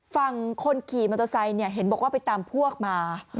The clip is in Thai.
ฟังคนขี่มัตตาไซด์เนี่ยเห็นบอกว่าไปตามพวกมา